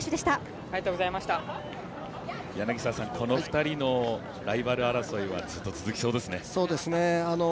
この２人のライバル争いはずっと続きそうですね。